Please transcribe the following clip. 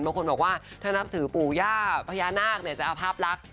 บางคนบอกว่าถ้านับถือปู่ย่าพญานาคเนี่ยจะเอาภาพลักษณ์